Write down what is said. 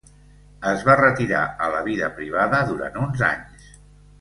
Es va retirar a la vida privada durant uns anys.